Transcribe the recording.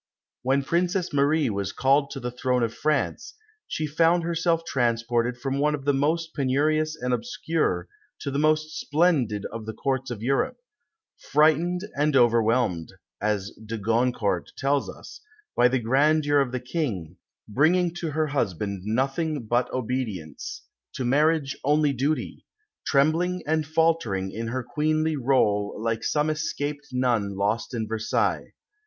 When Princess Marie was called to the throne of France, she found herself transported from one of the most penurious and obscure to the most splendid of the Courts of Europe "frightened and overwhelmed," as de Goncourt tells us, "by the grandeur of the King, bringing to her husband nothing but obedience, to marriage only duty; trembling and faltering in her queenly rôle like some escaped nun lost in Versailles."